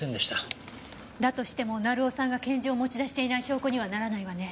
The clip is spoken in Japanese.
だとしても成尾さんが拳銃を持ち出していない証拠にはならないわね。